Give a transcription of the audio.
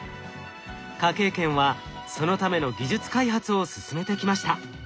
科警研はそのための技術開発を進めてきました。